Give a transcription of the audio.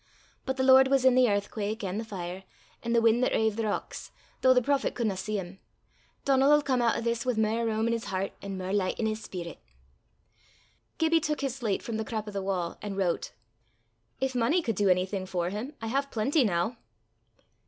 But the Lord was i' the airthquak, an' the fire, an' the win' that rave the rocks, though the prophet couldna see 'im. Donal 'ill come oot o' this wi' mair room in 's hert an' mair licht in 's speerit." Gibbie took his slate from the crap o' the wa' and wrote. "If money could do anything for him, I have plenty now."